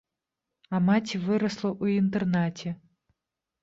А маці вырасла ў інтэрнаце.